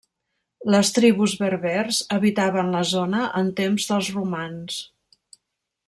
Les tribus berbers habitaven la zona en temps dels romans.